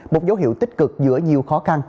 một dấu hiệu tích cực giữa nhiều khó khăn